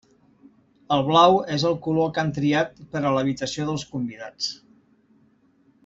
El blau és el color que han triat per a l'habitació dels convidats.